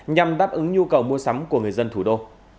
nhằm đáp ứng nhu cầu mua sắm của người dân thủ đô